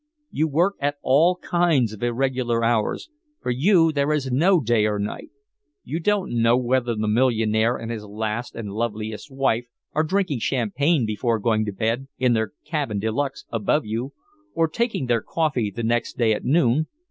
You work at all kinds of irregular hours, for you there is no day or night. You don't know whether the millionaire and his last and loveliest wife are drinking champagne before going to bed, in their cabin de luxe above you, or taking their coffee the next day at noon.